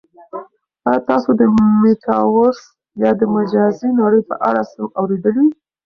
آیا تاسو د میټاورس یا د مجازی نړۍ په اړه څه اورېدلي؟